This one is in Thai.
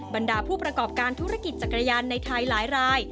บรรดาผู้ประกอบการธุรกิจจักรยานในไทยหลายราย